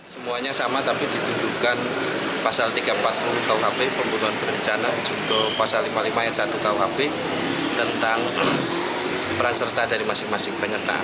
semuanya sama tapi dituduhkan pasal tiga ratus empat puluh kuhp pembunuhan berencana untuk pasal lima puluh lima ayat satu kuhp tentang peran serta dari masing masing penyerta